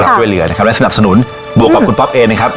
ช่วยเหลือนะครับและสนับสนุนบวกกับคุณป๊อปเองนะครับ